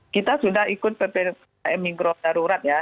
kita sudah ikut ppkm mikro darurat ya